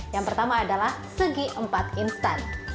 yang pertama adalah segi empat instan